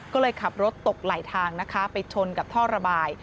ก็เลยขับรถตกไหลทางนะคะไปชนกับท่อระบาย